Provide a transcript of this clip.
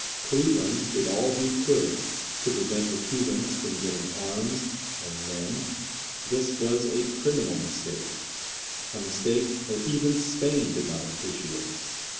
Cleveland did all he could to prevent the Cubans from getting arms and men. This was a criminal mistake a mistake that even Spain did not appreciate.